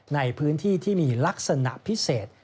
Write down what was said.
ในพื้นที่ที่มีลักษณะพิเศษ